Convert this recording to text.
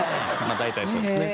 大体そうですね。